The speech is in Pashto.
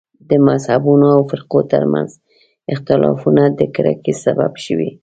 د مذهبونو او فرقو تر منځ اختلافونه د کرکې سبب شوي.